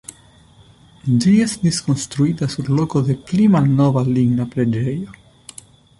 Ĝi estis konstruita sur loko de pli malnova ligna preĝejo.